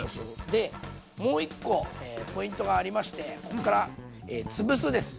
でもう１個ポイントがありましてこっから「つぶす」です！